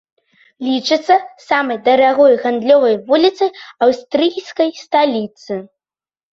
Лічыцца самай дарагой гандлёвай вуліцай аўстрыйскай сталіцы.